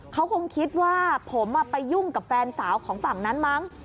เขาคงคิดว่าผมไปยุ่งกับแฟนสาวของฝั่งนั้นมั้ง